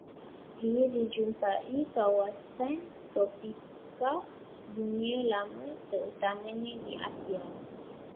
Ia dijumpai kawasan tropika Dunia Lama terutamanya di Asia